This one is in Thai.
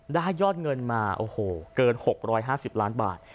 ยอดเงินมาโอ้โหเกิน๖๕๐ล้านบาท